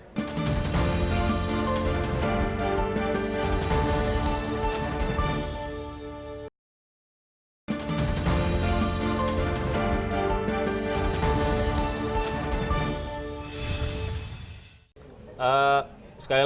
jadi kita harus mencari yang lebih kelebihan